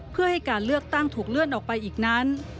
เพื่อให้การเลือกตั้งถูกเลื่อนออกไปอีกนั้น